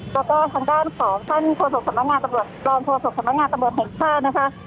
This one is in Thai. แล้วก็ทางด้านของท่านโทษภพสำงักงานสำวดรวมโทษภพสำังงานสำวดแห่งชาญนะคะ